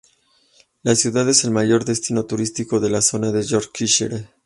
La ciudad es el mayor destino turístico de la zona de Yorkshire.